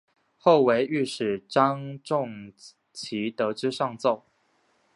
后为御史张仲炘得知上奏。